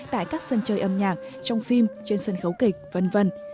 tại các sân chơi âm nhạc trong phim trên sân khấu kịch v v